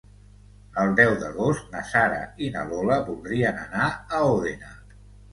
El deu d'agost na Sara i na Lola voldrien anar a Òdena.